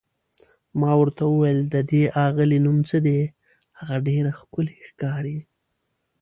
ما ورته وویل: د دې اغلې نوم څه دی، هغه ډېره ښکلې ښکاري؟